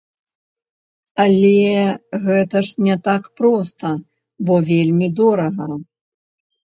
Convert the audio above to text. Але гэта ж не так проста, бо вельмі дорага.